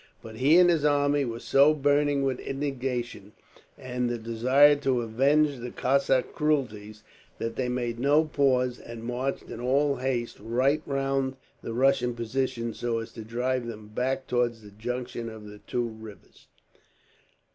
But he and his army were so burning with indignation, and the desire to avenge the Cossack cruelties, that they made no pause, and marched in all haste right round the Russian position, so as to drive them back towards the junction of the two rivers.